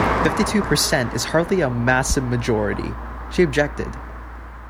Fifty-two percent is hardly a massive majority, she objected